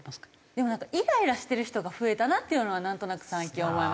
でもイライラしてる人が増えたなっていうのはなんとなく最近思います。